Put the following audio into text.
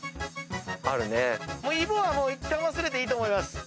イボはいったん忘れていいと思います。